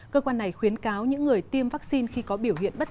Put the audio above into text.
cơ quan này khuyến cáo những người tiêm vaccine khi có biểu hiện bất thường